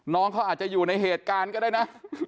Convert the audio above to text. น้องเขาอาจจะอยู่ในเหตุการณ์ก็ได้นะ